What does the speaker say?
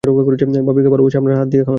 ভাবিকে ভালোবাসে আপনার হাত দিয়ে খাওয়ান।